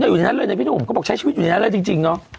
แต่อยู่ในนั้นเลยนะพี่หนุ่มเขาบอกใช้ชีวิตอยู่ในนั้นเลยจริงเนาะ